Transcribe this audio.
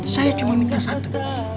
saya cuma minta satu